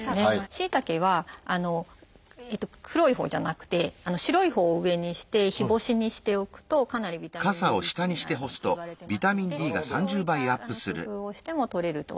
しいたけは黒いほうじゃなくて白いほうを上にして日干しにしておくとかなりビタミンＤリッチになるなんていわれてますのでそういった工夫をしてもとれるとは思います。